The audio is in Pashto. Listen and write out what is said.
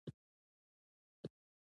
اوږده يا د سړې په ویي کې ده